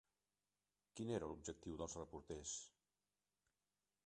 Quin era l'objectiu dels reporters?